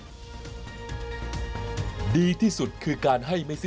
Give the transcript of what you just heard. สวัสดีค่ะคุณผู้ชมค่ะเห็นหัวอะไรกันครับ